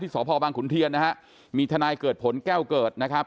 สพบังขุนเทียนนะฮะมีทนายเกิดผลแก้วเกิดนะครับ